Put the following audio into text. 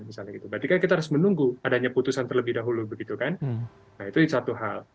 berarti kan kita harus menunggu adanya putusan terlebih dahulu begitu kan nah itu satu hal